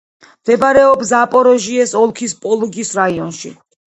მდებარეობს ზაპოროჟიეს ოლქის პოლოგის რაიონში.